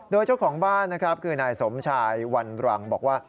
โดยเจ้าของบ้านนะครับคือนายสมชายวันรังบอกว่า